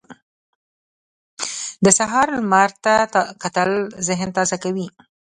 د سهار لمر ته کتل ذهن تازه کوي.